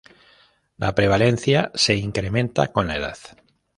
La prevalencia se incrementa con la edad.